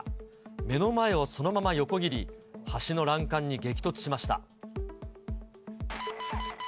目の前をそのまま横切り、橋の欄干に激突しました。